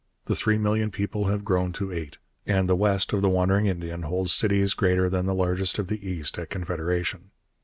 The three million people have grown to eight, and the west of the wandering Indian holds cities greater than the largest of the east at Confederation.